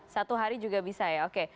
satu hari juga bisa ya oke